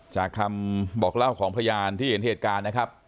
จากคำบอกเล่าของพยานที่เห็นเหตุการณ์นะครับ